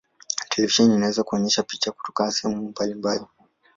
Televisheni inaweza kuonyesha picha kutoka sehemu mbalimbali.